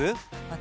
私？